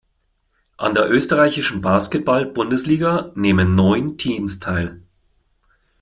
An der österreichischen Basketball-Bundesliga nehmen neun Teams teil.